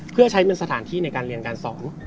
เพื่อใช้เป็นสถานที่ในการเรียนการสอน